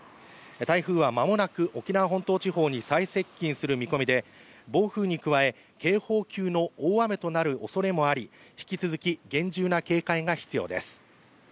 台風はまもなく沖縄本島地方に最接近するつもりで、暴風に加え警報級の大雨となるおそれもあり、引き続き厳重な警戒が必要です。